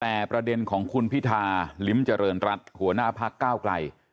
แต่ประเด็นของคุณพิธาลิ้มเจริญรัฐหัวหน้าพักก้าวไกล